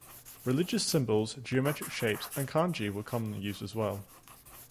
Religious symbols, geometric shapes and kanji were commonly used as well.